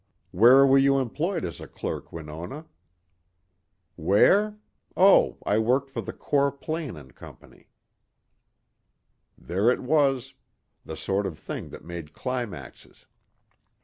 Where were you employed as a clerk, Winona? Where? Oh, I worked for Core Plain and Company. There it was the sort of thing that made climaxes.